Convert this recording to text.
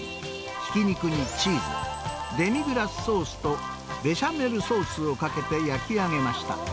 ひき肉にチーズ、デミグラスソースとベシャメルソースをかけて焼き上げました。